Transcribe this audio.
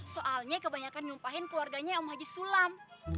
soalnya kebanyakan nyumpahin keluarganya om haji sulam